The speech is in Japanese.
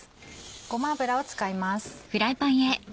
ごま油を使います。